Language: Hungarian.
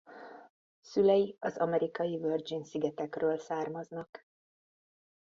Szülei az amerikai Virgin-szigetekről származnak.